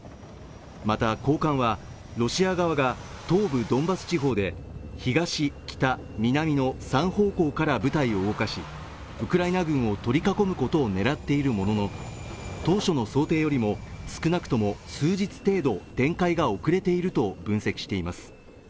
また高官は、ロシア側が東部ドンバス地方で、東・北・南の３方向から部隊を動かしウクライナ軍を取り囲むことを狙っているものの当初の想定よりも少なくとも数日程度、展開が遅れていると分析しています。